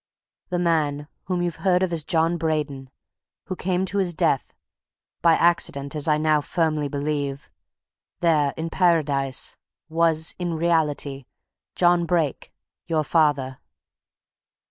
The man whom you've heard of as John Braden, who came to his death by accident, as I now firmly believe there in Paradise, was, in reality, John Brake your father!"